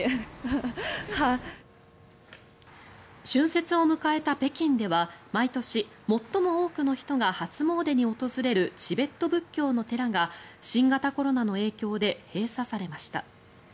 春節を迎えた北京では毎年、最も多くの人が初詣に訪れるチベット仏教の寺が新型コロナの影響で閉鎖されました。